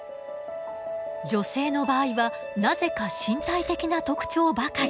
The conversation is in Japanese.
女性の場合はなぜか身体的な特徴ばかり。